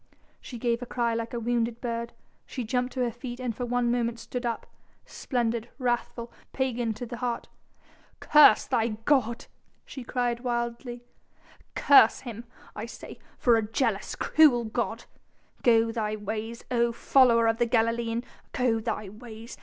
She gave a cry like a wounded bird, she jumped to her feet, and for one moment stood up, splendid, wrathful, pagan to the heart. "Curse thy god," she cried wildly, "curse him, I say, for a jealous, cruel god.... Go thy ways, O follower of the Galilean! go thy ways!